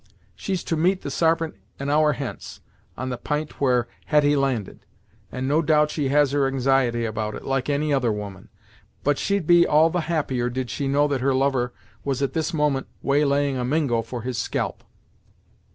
She's to meet the Sarpent an hour hence, on the p'int where Hetty landed, and no doubt she has her anxiety about it, like any other woman; but she'd be all the happier did she know that her lover was at this moment waylaying a Mingo for his scalp."